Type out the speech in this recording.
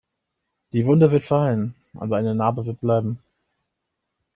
Die Wunde wird verheilen, aber eine Narbe wird bleiben.